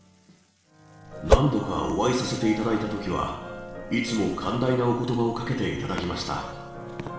何度かお会いさせていただいたときは、いつも寛大なおことばをかけていただきました。